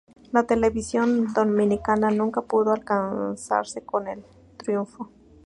La televisión dominicana nunca pudo alzarse con el triunfo.